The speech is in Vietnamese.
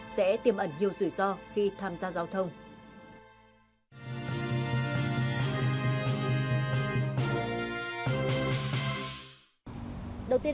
sẽ tiềm ẩn nhiều rủi ro khi tham gia giao thông